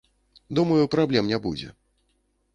Думаю, праблем не будзе.